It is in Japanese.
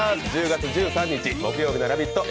１０月１３日木曜日の「ラヴィット！」